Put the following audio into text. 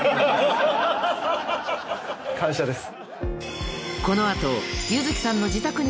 感謝です。